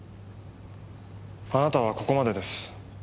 あなたはここまでです。